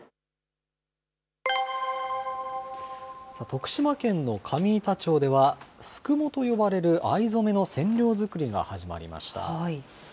徳島県の上板町では、すくもと呼ばれる藍染めの染料作りが始まりました。